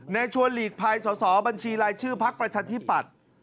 ในชวนหลีกภัยสอสอบัญชีลายชื่อภักดิ์ประชันที่ปัด